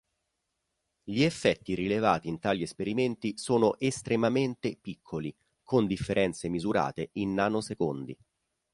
Gli effetti rilevati in tali esperimenti sono "estremamente" piccoli, con differenze misurate in nanosecondi.